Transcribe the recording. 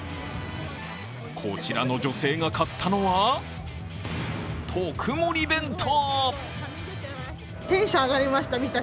こちらの女性が買ったのは特盛り弁当。